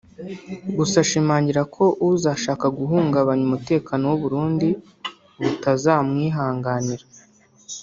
gusa ashimangira ko uzashaka guhungabanya umutekano w’u Burundi butazamwihanganira